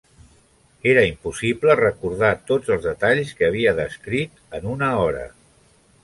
Era impossible recordar tots els detalls que havia descrit en una hora.